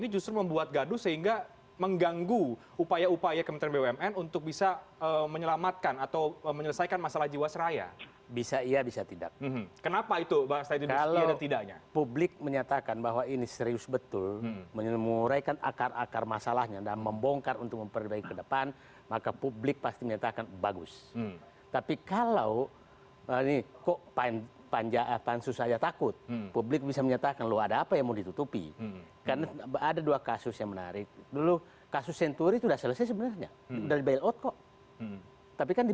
yang penting tangkap perampoknya